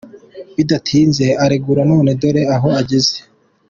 Bidatinze aregura none dore aho ageze.